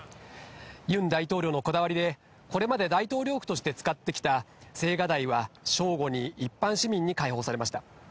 ユン大統領のこだわりで、これまで大統領府として使ってきた青瓦台は、正午に一般市民に開放されました。